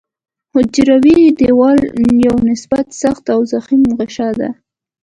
حجروي دیوال یو نسبت سخت او ضخیم غشا ده.